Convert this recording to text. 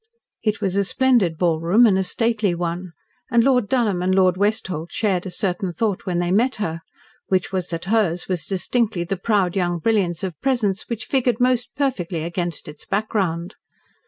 It was a splendid ballroom and a stately one, and Lord Dunholm and Lord Westholt shared a certain thought when they met her, which was that hers was distinctly the proud young brilliance of presence which figured most perfectly against its background.